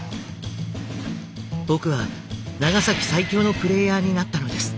僕は長崎最強のプレイヤーになったのです。